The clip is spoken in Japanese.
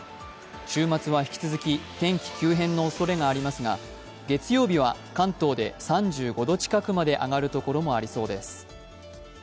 週末は引き続き天気急変のおそれがありますが月曜日は関東で３５度近く上がるところもありそうです。